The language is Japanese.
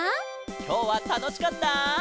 きょうはたのしかった？